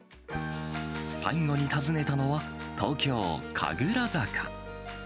最後に訪ねたのは、東京・神楽坂。